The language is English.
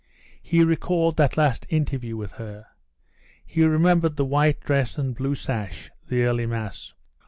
He recalled that last interview with her. He remembered the white dress and blue sash, the early mass.